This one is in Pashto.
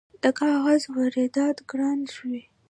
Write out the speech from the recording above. د کاغذ واردات ګران شوي؟